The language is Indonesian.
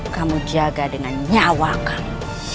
kamu jaga dengan nyawa kamu